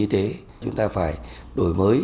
điều thứ ba là chúng ta phải đối với các cơ sở hạ tầng